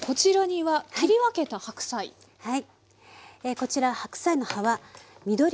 はい。